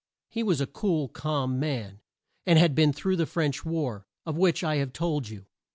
He was a cool, calm man, and had been through the French war, of which I have told you.